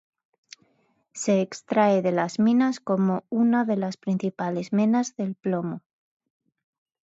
Se extrae de las minas como una de las principales menas del plomo.